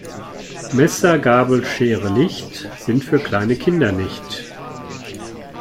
Messer, Gabel, Schere, Licht, sind für kleine Kinder nicht.